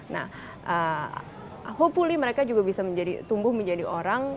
nah hopuli mereka juga bisa tumbuh menjadi orang